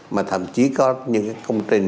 mà thậm chí có những cái công trình